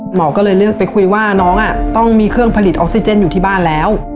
หมอก็เลยเลือกไปคุยว่าน้องต้องมีเครื่องผลิตออกซิเจนอยู่ที่บ้านแล้ว